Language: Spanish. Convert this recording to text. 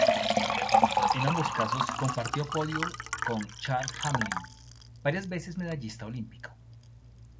En ambos casos compartió podio con Charles Hamelin, varias veces medallista olímpico.